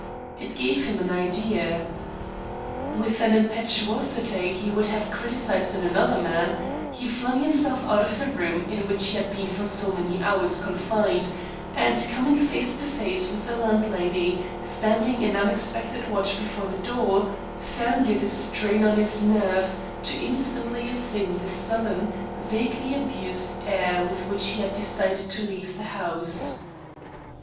It gave him an idea. With an impetuosity he would have criticised in another man, he flung himself out of the room in which he had been for so many hours confined, and coming face to face with the landlady standing in unexpected watch before the door, found it a strain on his nerves to instantly assume the sullen, vaguely abused air with which he had decided to leave the house.